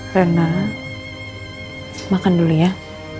rena makan dulu yah